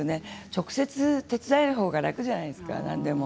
直接手伝えるほうが楽じゃないですか、何でも。